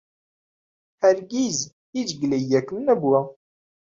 هەرگیز هیچ گلەیییەکم نەبووە.